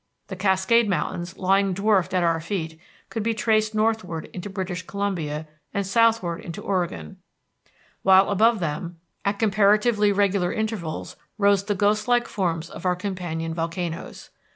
The Cascade Mountains, lying dwarfed at our feet, could be traced northward into British Columbia and southward into Oregon, while above them, at comparatively regular intervals, rose the ghostlike forms of our companion volcanoes.